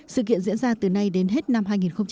sự kiện diễn ra từ nay đến hết năm hai nghìn một mươi chín